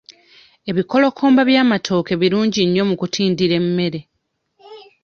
Ebikolokomba by'amatooke birungi nnyo mu kutindira emmere.